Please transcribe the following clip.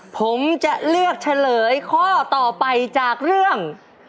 ผมจะเลือกเฉลยข้อต่อไปจากเรื่อง